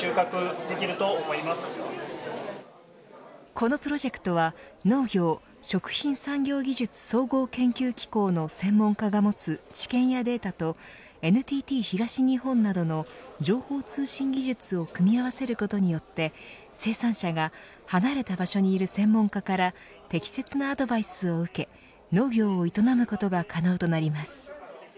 このプロジェクトは農業・食品産業技術総合研究機構の専門家が持つ知見やデータとＮＴＴ東日本などの情報通信技術を組み合わせることによって生産者が離れた場所にいる専門家から適切なアドバイスを受け農業を営むことが可能となります。